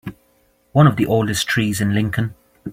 One of the oldest trees in Lincoln.